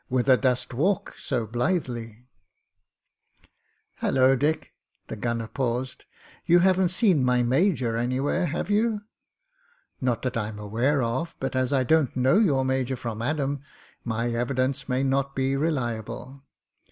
"Whither dost walk so blithely?" THE MOTOR GUN 37 "Halloa, Dick !" The gunner paused. "You haven't seen my major anywhere, have you?" "Not that I'm aware of, but as I don't know your major from Adam, my evidence may not be reliable.